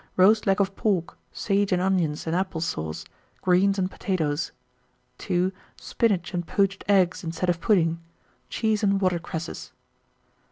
Roast leg of pork, sage and onions and apple sauce; greens and potatoes. 2. Spinach and poached eggs instead of pudding. Cheese and water cresses.